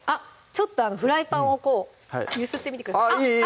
ちょっとフライパンをこう揺すってみてくださいあっいい